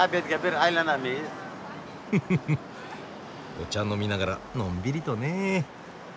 お茶飲みながらのんびりとね。